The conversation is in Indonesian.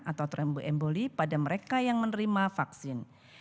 atau terembo emboli pada mereka yang menerima vaksin